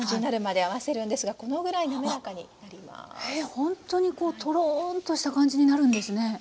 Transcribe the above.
ほんとにこうトローンとした感じになるんですね。